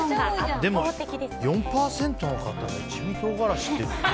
でも４％の方が一味唐辛子って。